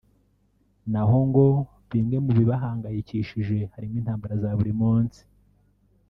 naho ngo bimwe mu bibahangayikishishe harimo intambara za buri munsi